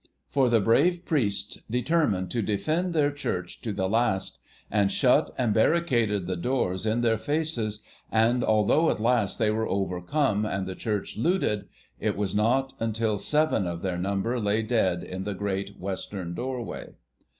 For the brave priests determined to defend their church to the last, and shut and barricaded the doors in their faces; and, although at last they were overcome and the church looted, it was not until seven of their number lay dead in the great Western doorway.